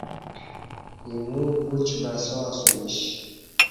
اِیمو پوچ بعسا اسہ میش